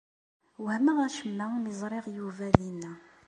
Wehmeɣ acemma mi ẓriɣ Yuba dinna.